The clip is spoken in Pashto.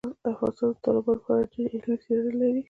افغانستان د تالابونو په اړه ډېرې علمي څېړنې لري.